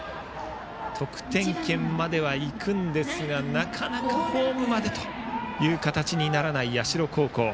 得点圏まではいくんですがなかなかホームまでという形にならない社高校。